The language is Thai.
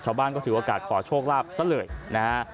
ชาวบ้านก็ถือโอกาสขอโชคลาภซะเลยนะฮะ